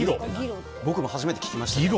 僕も初めて聞きましたね。